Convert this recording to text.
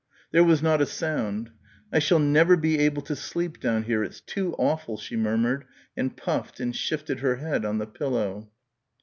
There was not a sound. "I shall never be able to sleep down here, it's too awful," she murmured, and puffed and shifted her head on the pillow.